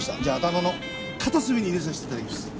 じゃあ頭の片隅に入れさせて頂きます。